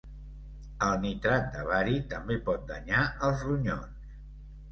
El nitrat de bari també pot danyar els ronyons.